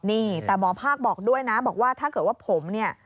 นี่แต่หมอภาคบอกด้วยนะบอกว่าถ้าเกิดว่าผมเนี่ย